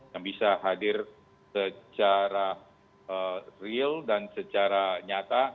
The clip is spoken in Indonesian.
yang bisa hadir secara real dan secara nyata